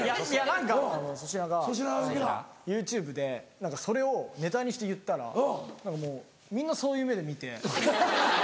何か粗品がＹｏｕＴｕｂｅでそれをネタにして言ったら何かもうみんなそういう目で見て。